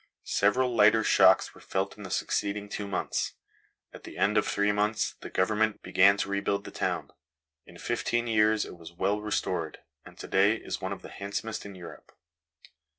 Several lighter shocks were felt in the succeeding two months. At the end of three months the Government began to rebuild the town. In fifteen years it was well restored, and to day is one of the handsomest in Europe.